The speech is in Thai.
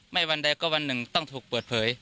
วันใดก็วันหนึ่งต้องถูกเปิดเผย